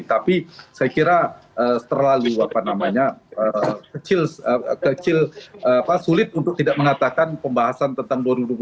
tapi saya kira terlalu kecil sulit untuk tidak mengatakan pembahasan tentang dua ribu dua puluh